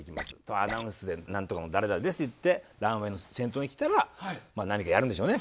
アナウンスで「何とかの誰々です」って言ってランウェイの先頭に来たら何かやるんでしょうねひとネタやります。